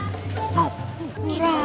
bu ranti malah ngapain